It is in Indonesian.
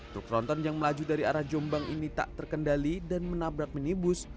truk tronton yang melaju dari arah jombang ini tak terkendali dan menabrak minibus